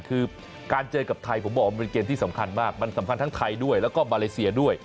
คือการเจอกับไทยผมบอกว่ามันเป็นเกมที่สำคัญมากมันสำคัญทั้งไทยด้วยแล้วก็มาเลเซียด้วย